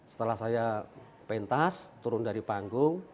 setelah saya pentas turun dari panggung